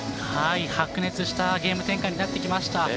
白熱したゲーム展開になってきました。